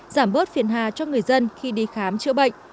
giảm bớt phiên hạ cho người dân khi đi khám chữa bệnh